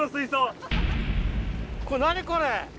これ。